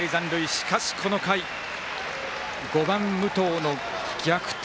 しかし、この回５番、武藤の逆転